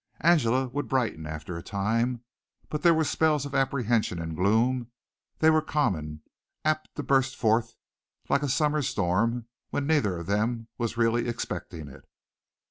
Angela would brighten after a time, but there were spells of apprehension and gloom; they were common, apt to burst forth like a summer storm when neither of them was really expecting it.